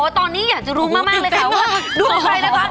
ตอนนี้อยากจะรู้มากเลยค่ะว่าดวงใครนะคะ